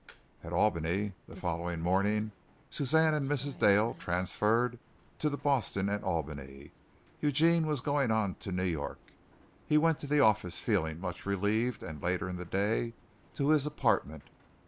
At Albany the following morning, Suzanne and Mrs. Dale transferred to the Boston and Albany, Eugene going on to New York. He went to the office feeling much relieved, and later in the day to his apartment.